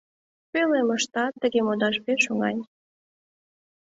Пӧлемыштат тыге модаш пеш оҥай.